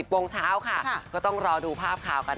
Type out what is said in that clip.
โมงเช้าค่ะก็ต้องรอดูภาพข่าวกัน